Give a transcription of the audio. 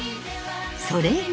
それが。